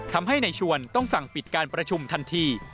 ทำให้ในชวนต้องสั่งปิดการประชุมทันที